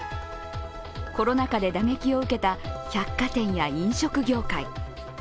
コロナ禍で打撃を受けた百貨店や飲食業界。